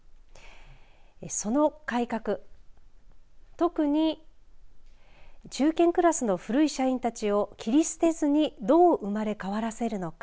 その改革特に中堅クラスの古い社員たちを切り捨てずにどう生まれ変わらせるのか。